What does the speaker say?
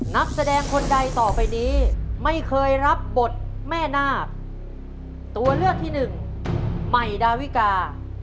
นักแสดงคนใดต่อไปนี้ไม่เคยรับบทแม่นาคตัวเลือกที่หนึ่งใหม่ดาวิกา